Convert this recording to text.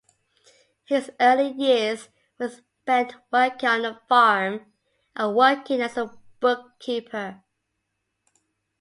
His early years were spent working on a farm and working as a bookkeeper.